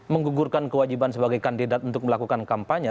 menggugurkan kewajiban sebagai kandidat untuk melakukan kampanye